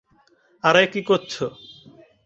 আরে, কী করছো?